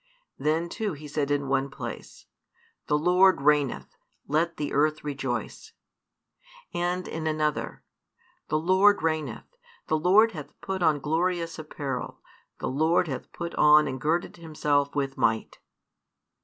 Then too he said in one place, The Lord reigneth, let the earth rejoice; and in another, The Lord reigneth: the Lord hath put on glorious apparel, the Lord hath put on and girded Himself with might.